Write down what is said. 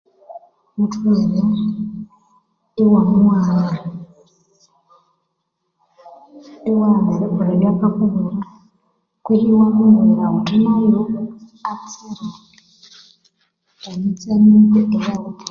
Utholere iwamughana iwaghana erikolha abyakakubwira kutse iwamubwira uthiatsire, emitse mibi ngeya kakla eyo